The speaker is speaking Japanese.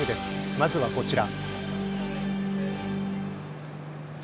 まずはこちら。